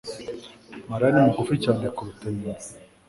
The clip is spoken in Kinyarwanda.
Mariya ni mugufi cyane kuruta nyina